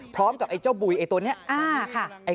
พร้อมกับเจ้าบุยตัวนี้